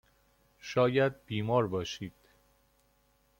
شاید بیمار باشید.